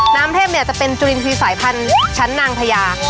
น้ำเทพเนี่ยจะเป็นจุลินทีสายภัณฑ์ชั้นนางพยา